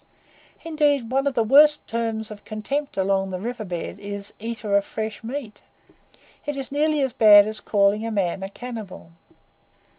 Indeed, one of the worst terms of contempt along the River bed is "eater of fresh meat." It is nearly as bad as calling a man a cannibal.